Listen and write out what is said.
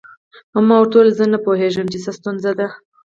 ما ورته وویل زه نه پوهیږم چې څه ستونزه ده.